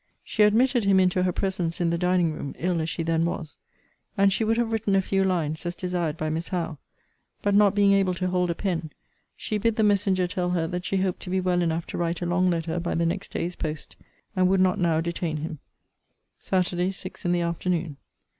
She admitted him into her presence in the dining room, ill as she then was, and she would have written a few lines, as desired by Miss Howe; but, not being able to hold a pen, she bid the messenger tell her that she hoped to be well enough to write a long letter by the next day's post; and would not now detain him. SATURDAY, SIX IN THE AFTERNOON.